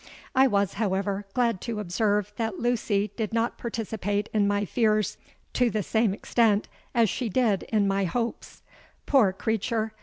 I was, however, glad to observe that Lucy did not participate in my fears to the same extent as she did in my hopes: poor creature!